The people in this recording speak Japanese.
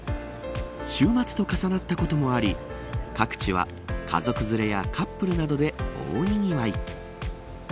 週末と重なったこともあり各地は家族連れやカップルなどで大にぎわい。